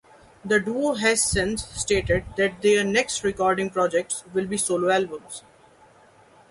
The duo has since stated that their next recording projects will be solo albums.